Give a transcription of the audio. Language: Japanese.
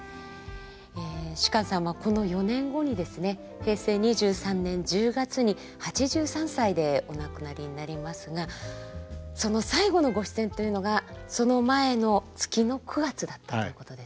平成２３年１０月に８３歳でお亡くなりになりますがその最後のご出演というのがその前の月の９月だったということです。